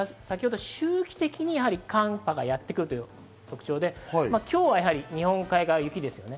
周期的に寒波がやってくるという特徴で、今日は日本海側は雪です。